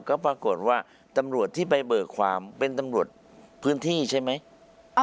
ก็ปรากฏว่าตำรวจที่ไปเบิกความเป็นตำรวจพื้นที่ใช่ไหม